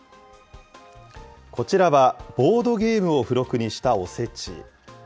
こちらは、ボードゲームを付録にしたおせち。